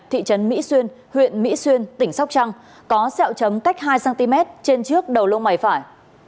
thị trấn mỹ xuyên huyện mỹ xuyên tỉnh sóc trăng có xeo chấm cách hai cm trên trước đầu lông mày phải